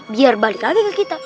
biar balik lagi ke kita